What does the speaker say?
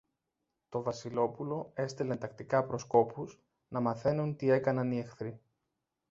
Το Βασιλόπουλο έστελνε τακτικά προσκόπους, να μαθαίνουν τι έκαναν οι εχθροί.